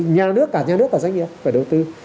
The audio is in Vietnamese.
nhà nước cả nhà nước và doanh nghiệp phải đầu tư